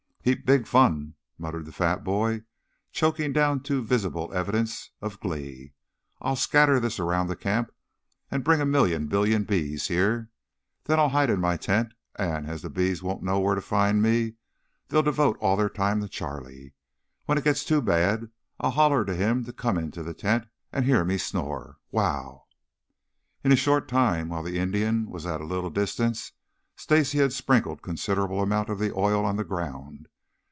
"Heap big fun!" muttered the fat boy, choking down too visible evidences of glee. "I'll scatter this around the camp and bring a million billion bees here. Then I'll hide in my tent, and, as the bees won't know where to find me, they'll devote all their time to Charlie. When he gets it too bad I'll holler to him to come into the tent and hear me snore. Wow!" In a short time, while the Indian was at a little distance, Stacy had sprinkled considerable of the oil on the ground.